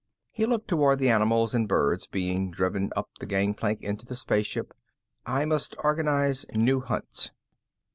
He looked toward the animals and birds being driven up the gangplank into the spaceship. "I must organize new hunts."